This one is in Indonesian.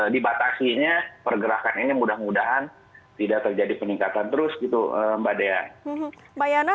dibatasi nya pergerakan ini mudah mudahan tidak terjadi peningkatan terus itu mbak dea bayana